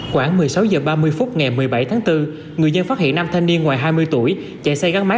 khoảng một mươi sáu h ba mươi phút ngày một mươi bảy tháng bốn người dân phát hiện năm thanh niên ngoài hai mươi tuổi chạy xe gắn máy